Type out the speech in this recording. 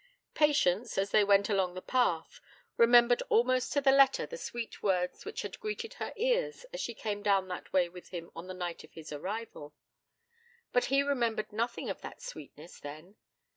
Patience, as she went along the path, remembered almost to the letter the sweet words which had greeted her ears as she came down that way with him on the night of his arrival; but he remembered nothing of that sweetness then.